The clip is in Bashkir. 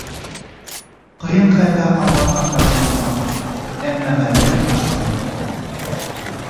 Ҡыйын хәлгә ҡалған саҡтары ла була, әммә ғәҙәтен ташламай.